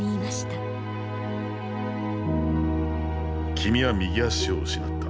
君は右足を失った。